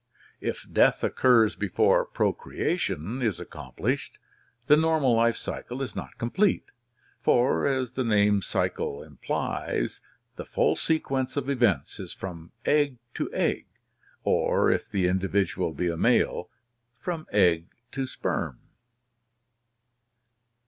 If death occurs before procreation is accomplished, the normal life cycle is not complete, for, as the name cycle implies, the full se quence of events is from egg to egg, or if the individual be a male, from egg to sperm.